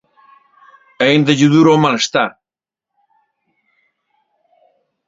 Aínda lle dura o malestar.